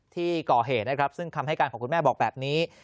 ที่ก่อเหตุนะครับซึ่งคำให้การของคุณแม่บอกแบบนี้